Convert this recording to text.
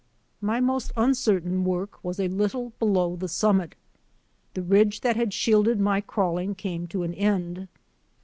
My most uncertain work was a little below the summit. The ridge that had shielded my crawling came to an end.